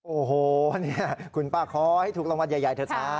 โอ้โหนี่คุณป้าขอให้ถูกรางวัลใหญ่เถอะจ๊ะ